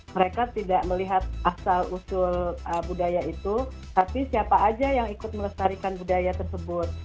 mereka tidak melihat asal usul budaya itu tapi siapa aja yang ikut melestarikan budaya tersebut